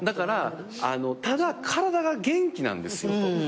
ただ体が元気なんですよ。